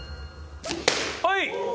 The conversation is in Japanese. はい！